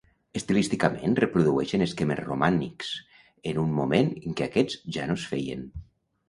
Estilísticament reprodueixen esquemes romànics en un moment en què aquests ja no es feien.